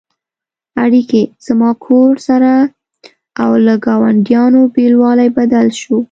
اړیکې «زما کور» سره او له ګاونډیانو بېلوالی بدل شو.